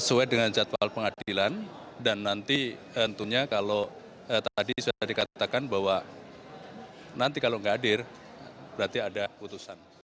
lanjutkan pada dua puluh dua november mendatang